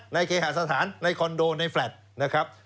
เคหาสถานในคอนโดในแฟลตนะครับ